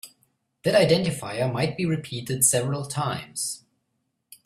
That identifier might be repeated several times.